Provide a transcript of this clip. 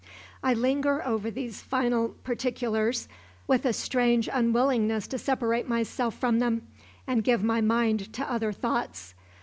I linger over these final particulars with a strange unwillingness to separate myself from them, and give my mind to other thoughts.